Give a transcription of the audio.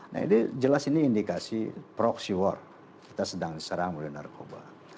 nah ini jelas ini indikasi proxy war kita sedang diserang oleh narkoba